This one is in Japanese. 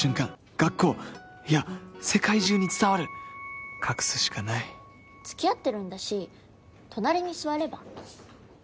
学校いや世界中に伝わる隠すしかない付き合ってるんだし隣に座れば？